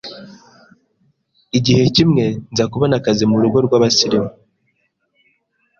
igihe kimwe nza kubona akazi mu rugo rw’abasilamu